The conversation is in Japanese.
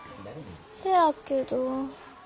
せやけど。